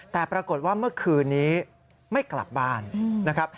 แต่ปรากฏว่าเมื่อคืนนี้ไม่กลับบ้านนะครับ